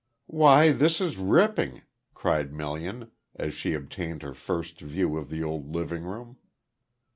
"Why, this is ripping," cried Melian as she obtained her first view of the old living room.